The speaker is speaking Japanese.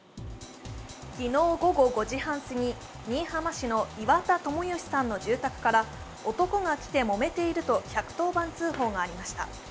昨日午後５時半過ぎ、新居浜市の岩田友義さんの住宅から男が来てもめていると１１０番通報がありました。